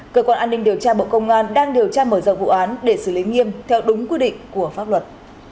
cơ quan an ninh điều tra bộ công an đang điều tra mở rộng vụ án để xử lý nghiêm theo đúng quy định của pháp luật